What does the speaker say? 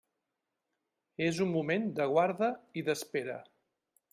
És un moment de guarda i d'espera.